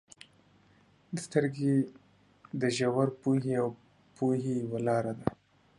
• سترګې د ژور پوهې او پوهې یوه لاره ده.